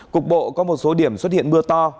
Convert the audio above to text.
cục bộ có một số điểm xuất hiện mưa to